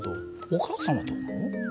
お母さんはどう思う？